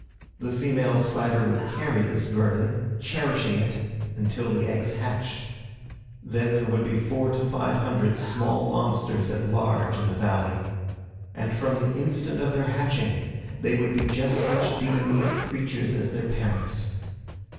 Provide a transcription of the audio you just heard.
The female spider would carry this burden cherishing it until the eggs hatched. Then there would be four to five hundred small monsters at large in the valley. And from the instant of their hatching they would be just such demoniac creatures as their parents.